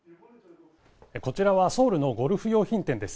こちらはソウルのゴルフ用品店です。